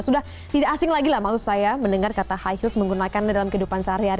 sudah tidak asing lagi lah maksud saya mendengar kata high heels menggunakannya dalam kehidupan sehari hari